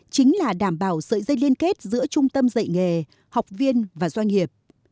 chính là đảm bảo sợi dây liên kết giữa trung tâm dạy nghề học viên và doanh nghiệp